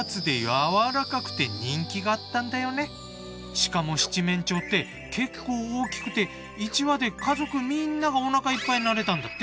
しかも七面鳥って結構大きくて１羽で家族みんながおなかいっぱいになれたんだって。